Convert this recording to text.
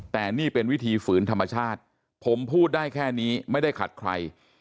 แต่นี่เป็นวิธีฝืนธรรมชาติผมพูดได้แค่นี้ไม่ได้ขัดใคร